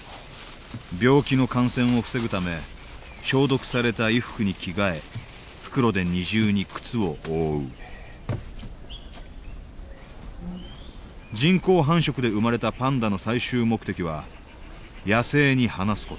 病気の感染を防ぐため消毒された衣服に着替え袋で二重に靴を覆う人工繁殖で生まれたパンダの最終目的は野生に放す事。